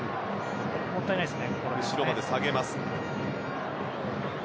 もったいないですね。